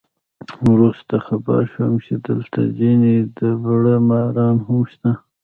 وروسته خبر شوم چې دلته ځینې دبړه ماران هم شته.